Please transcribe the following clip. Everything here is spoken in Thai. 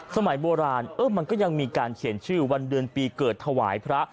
สมัยโบราณมันก็ยังมีการเขียนชื่อวันเดือนปีเกิดถวายพระ